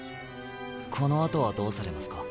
このあとはどうされますか？